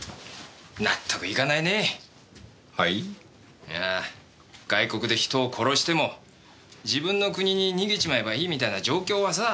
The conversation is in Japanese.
いや外国で人を殺しても自分の国に逃げちまえばいいみたいな状況はさ。